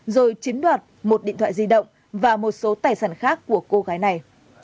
rồi chiếm đoạt một điện thoại di động và một số tài sản khác của cô gái này